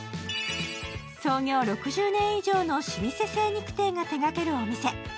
創業６０年以上の老舗精肉店が手がけるお店。